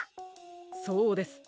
そうです。